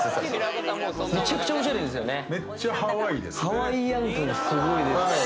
ハワイアン感すごいです。